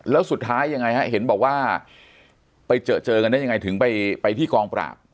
แล้วสุดท้ายยังไงฮะเห็นบอกว่าไปเจอเจอกันได้ยังไงถึงไปที่กองปราบ